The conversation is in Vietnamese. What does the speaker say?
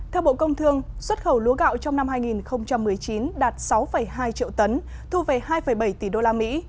theo bộ công thương xuất khẩu lúa gạo trong năm hai nghìn một mươi chín đạt sáu hai triệu tấn thu về hai bảy tỷ usd